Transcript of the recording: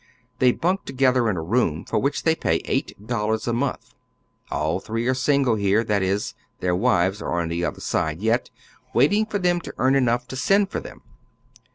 They bnnk together in a I'oom for wliich tliey pay eight dollars a month. All tln ee are single here, that is : their wives are on the other side yet, waiting for them to earn enough to send for them.